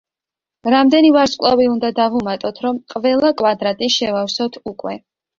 რამდენი ვარსკვლავი უნდა დავუმატოთ, რომ ყველა კვადრატი შევავსოთ უკვე.